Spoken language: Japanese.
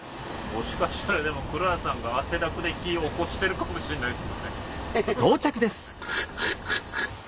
もしかしたらでも黒田さんが汗だくで火おこしてるかもしんないですもんね。